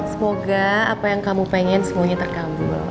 semoga apa yang kamu pengen semuanya terkambul